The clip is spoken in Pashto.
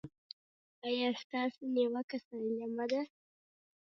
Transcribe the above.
ایا ستاسو نیوکه سالمه ده؟